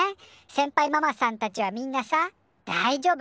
せんぱいママさんたちはみんなさ「だいじょうぶ。